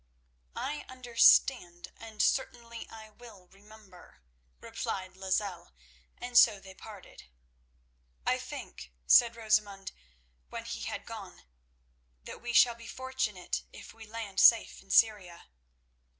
"I understand, and certainly I will remember," replied Lozelle, and so they parted. "I think," said Rosamund, when he had gone, "that we shall be fortunate if we land safe in Syria."